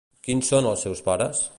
Quins són els seus pares?